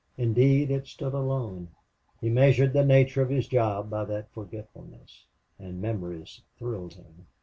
Indeed, it stood alone. He measured the nature of this job by that forgetfulness. And memories thrilled him.